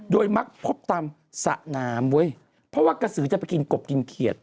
โดยมักพบตามสระน้ำเว้ยเพราะว่ากระสือจะไปกินกบกินเขียด